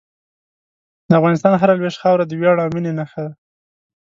د افغانستان هره لویشت خاوره د ویاړ او مینې نښه ده.